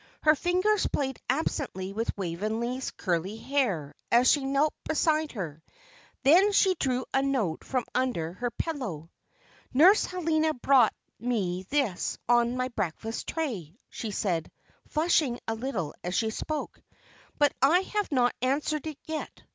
Her fingers played absently with Waveney's curly hair as she knelt beside her. Then she drew a note from under her pillow. "Nurse Helena brought me this on my breakfast tray," she said, flushing a little as she spoke; "but I have not answered it yet.